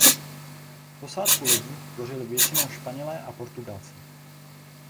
Posádku lodí tvořili většinou Španělé a Portugalci.